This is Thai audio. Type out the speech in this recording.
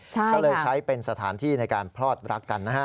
ก็เลยใช้เป็นสถานที่ในการพลอดรักกันนะฮะ